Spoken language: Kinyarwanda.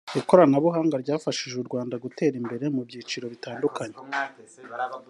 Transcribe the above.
Ikoranabuhanga ryafashije u Rwanda gutera imbere mu byiciro bitandukanye